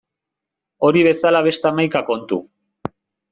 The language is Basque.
Hori bezala beste hamaika kontu.